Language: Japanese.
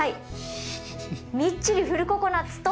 みっちりフルココナツと。